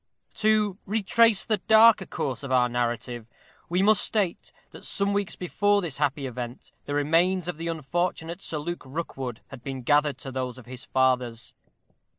To retrace the darker course of our narrative, we must state that some weeks before this happy event the remains of the unfortunate Sir Luke Rookwood had been gathered to those of his fathers.